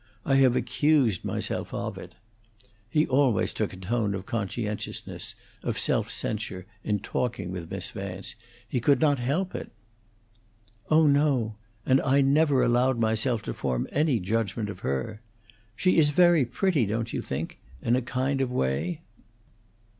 I have accused myself of it." He always took a tone of conscientiousness, of self censure, in talking with Miss Vance; he could not help it. "Oh no. And I never allowed myself to form any judgment of her. She is very pretty, don't you think, in a kind of way?"